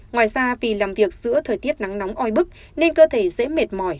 ngoài ra vì làm việc giữa thời tiết nắng nóng oi bức nên cơ thể dễ mệt mỏi